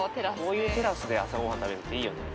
こういうテラスで朝ごはん食べるのっていいよね。